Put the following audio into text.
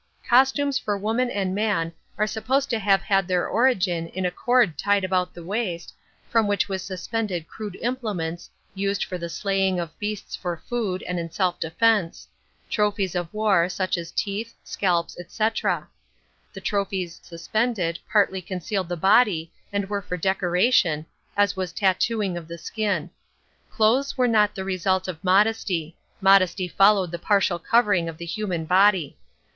Costumes for woman and man are supposed to have had their origin in a cord tied about the waist, from which was suspended crude implements (used for the slaying of beasts for food, and in self defence); trophies of war, such as teeth, scalps, etc. The trophies suspended, partly concealed the body and were for decoration, as was tattooing of the skin. Clothes were not the result of modesty; modesty followed the partial covering of the human body.